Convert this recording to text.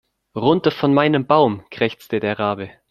Runter von meinem Baum, krächzte der Rabe.